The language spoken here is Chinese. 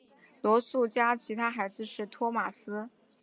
罗素家其他孩子是托马斯。